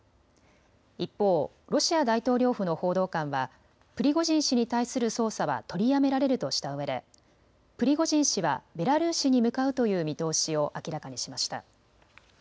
一方、ロシア大統領府の報道官はプリゴジン氏に対する捜査は取りやめられるとしたうえでプリゴジン氏はベラルーシに向かうという見通しを明らかにしました。